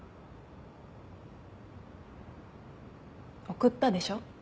送ったでしょ。